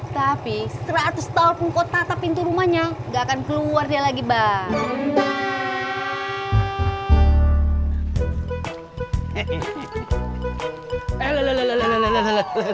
tapi seratus tahun kau tatap pintu rumahnya gak akan keluar dia lagi bang